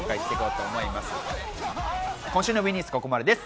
今週のＷＥニュースはここまでです。